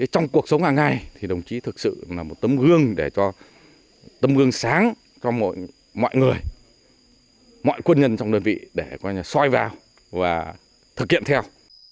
trong cuộc sống hàng ngày thì đồng chí thực sự là một tấm gương để cho tấm gương sáng cho mọi người mọi quân nhân trong đơn vị để xoay vào và thực hiện theo